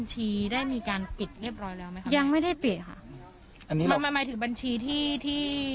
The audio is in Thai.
หมายถึงบัญชีที่